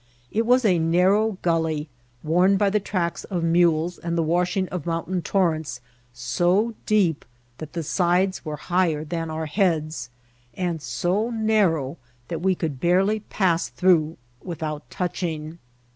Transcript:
It was a narrow gulley, worn by the tracks of mules and the washing of mountain torrents so deep that the sides were higher than our heads, and so narrow that we could barely pass through without touching.